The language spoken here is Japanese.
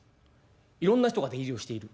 いろんな人が出入りをしている。